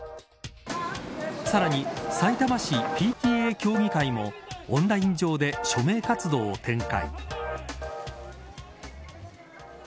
さらにさいたま市ＰＴＡ協議会もオンライン上で署名活動を展開。